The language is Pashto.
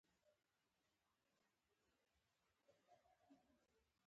مننه او مهرباني د فشار په کمولو اغېزمن دي.